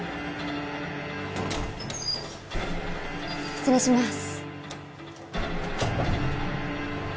失礼します。